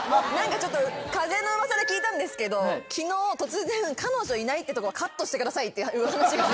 風の噂で聞いたんですけど昨日突然「彼女いないってとこはカットしてください」って話が。